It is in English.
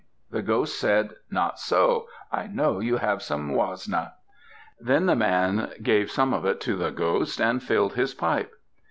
The ghost said, "Not so; I know you have some wasna." Then the man gave some of it to the ghost and filled his pipe.